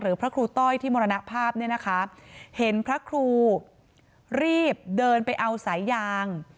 พระครูต้อยที่มรณภาพเนี่ยนะคะเห็นพระครูรีบเดินไปเอาสายยาง